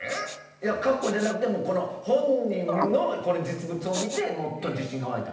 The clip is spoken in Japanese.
いや格好じゃなくて本人のこの実物を見てもっと自信が湧いた。